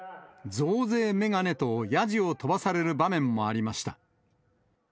増税メガネとやじを飛ばされる場面もありました。